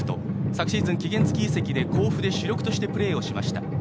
昨シーズン、期限付き移籍して甲府で主力としてプレーをしました。